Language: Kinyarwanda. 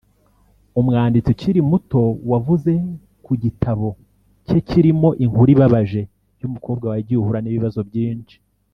umwanditsi ukiri muto wavuze ku gitabo cye kirimo inkuru ibabaje y’umukobwa wagiye uhura n’ibibazo byinshi